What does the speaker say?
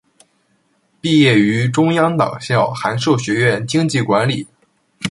毕业于中央党校函授学院经济管理。